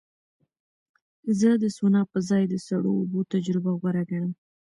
زه د سونا په ځای د سړو اوبو تجربه غوره ګڼم.